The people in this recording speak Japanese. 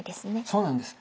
そうなんです。